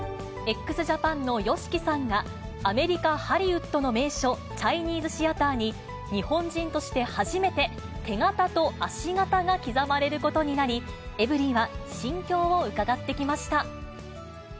ＸＪＡＰＡＮのＹＯＳＨＩＫＩさんが、アメリカ・ハリウッドの名所、チャイニーズ・シアターに、日本人として初めて手形と足形が刻まれることになり、エブリィは心境を伺ってきました。